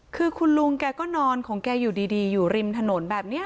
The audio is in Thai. คือคุณลุงแกก็นอนของแกอยู่ดีอยู่ริมถนนแบบนี้